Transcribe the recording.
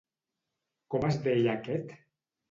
Com es deia aquest?